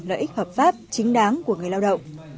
lợi ích hợp pháp chính đáng của người lao động